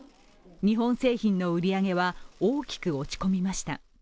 日本製品の売り上げは大きく落ち込みました。